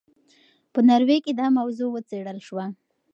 په ناروې کې دا موضوع وڅېړل شوه.